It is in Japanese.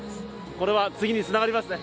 これは次につながりますね。